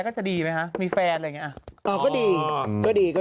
ก็จะดีไหมฮะมีแฟนอะไรอย่างเงี้ยออั๊วก็ดีก็ดีก็